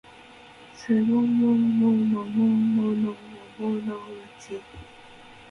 すもももももものもものうち